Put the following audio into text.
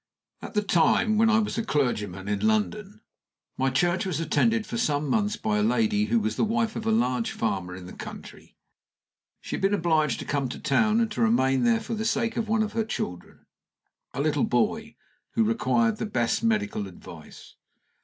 At the time when I was a clergyman in London, my church was attended for some months by a lady who was the wife of a large farmer in the country. She had been obliged to come to town, and to remain there for the sake of one of her children, a little boy, who required the best medical advice."